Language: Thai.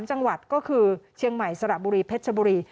๓จังหวัดก็คือเชียงใหม่สระบุรีเพชรชบุรี